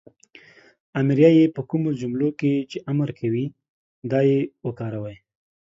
امریه "ئ" په کومو جملو کې چې امر کوی دا "ئ" وکاروئ